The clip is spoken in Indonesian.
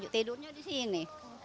tidurnya di sini